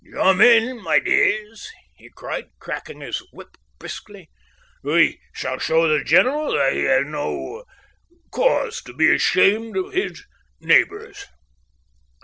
"Jump in, my dears," he cried, cracking his whip briskly, "we shall show the general that he has no cause to be ashamed of his neighbours."